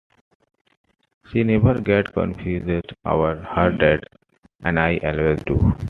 She never gets confused over her dates, and I always do.